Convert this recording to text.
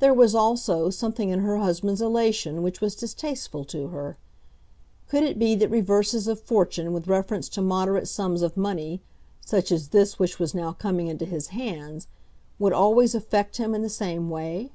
There was, also, something in her husband's elation which was distasteful to her. Could it be that reverses of fortune with reference to moderate sums of money, such as this which was now coming into his hands, would always affect him in the same way?